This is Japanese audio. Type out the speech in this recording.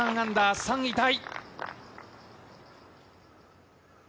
３位タイ。